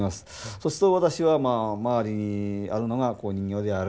そうすると私はまあ周りにあるのが人形である。